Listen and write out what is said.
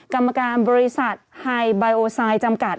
กรรมการบริษัทไฮไบโอไซด์จำกัด